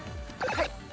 はい。